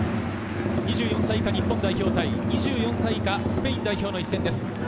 ２４歳以下日本代表対２４歳以下スペイン代表の一戦。